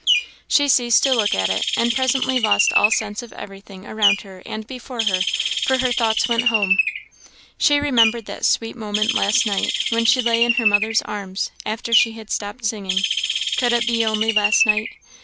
She ceased to look at it, and presently lost all sense of everything around and before her, for her thoughts went home. She remembered that sweet moment, last night, when she lay in her mother's arms, after she had stopped singing could it be only last night?